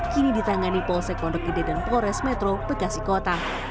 kini ditangani polsek pondok gede dan pores metro bekasi kota